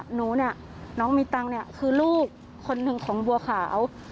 หนูเนี่ยน้องมีตังค์เนี่ยคือลูกคนหนึ่งของบัวขาว